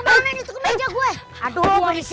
merinding banget ya allah